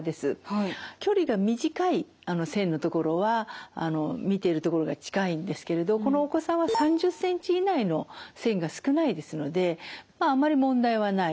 距離が短い線のところは見ているところが近いんですけれどこのお子さんは３０センチ以内の線が少ないですのでまああまり問題はない。